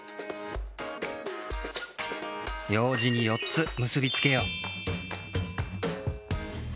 ようじに４つ結びつけよう。